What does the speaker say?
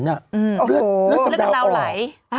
โอ้โหเลือดกำเดาไหล